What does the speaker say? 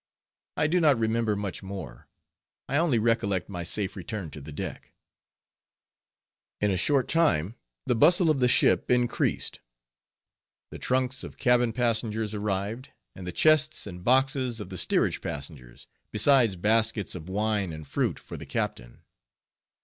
I do not remember much more. I only recollect my safe return to the deck. In a short time the bustle of the ship increased; the trunks of cabin passengers arrived, and the chests and boxes of the steerage passengers, besides baskets of wine and fruit for the captain.